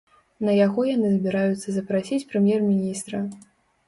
На яго яны збіраюцца запрасіць прэм'ер-міністра.